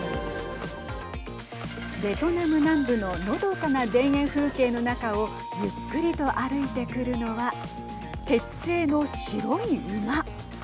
ベトナム南部ののどかな田園風景の中をゆっくりと歩いて来るのは鉄製の白い馬。